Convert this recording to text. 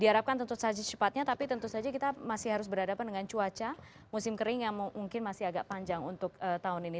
diharapkan tentu saja secepatnya tapi tentu saja kita masih harus berhadapan dengan cuaca musim kering yang mungkin masih agak panjang untuk tahun ini